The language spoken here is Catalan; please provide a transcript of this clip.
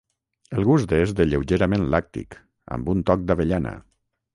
El gust és de lleugerament làctic, amb un toc d'avellana.